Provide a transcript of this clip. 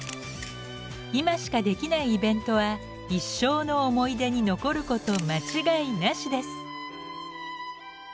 今しかできないイベントは一生の思い出に残ること間違いなしです！